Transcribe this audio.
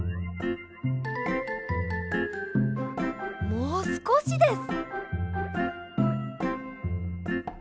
もうすこしです。